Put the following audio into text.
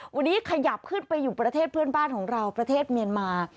วันนี้ขยับขึ้นไปอยู่ประเทศเพื่อนบ้านของเราประเทศเมียนมา